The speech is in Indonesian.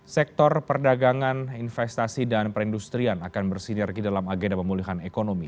sektor perdagangan investasi dan perindustrian akan bersinergi dalam agenda pemulihan ekonomi